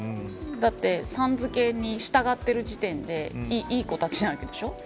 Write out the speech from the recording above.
だってさん付けに従ってる時点でいい子たちなわけでしょ。